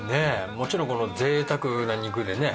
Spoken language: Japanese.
もちろんこのぜいたくな肉でね